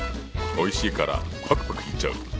おいしいからパクパクいっちゃう！